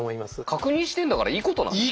確認してんだからいいことなんですよね。